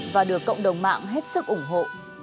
và được cộng đồng mạng hết sức ủng hộ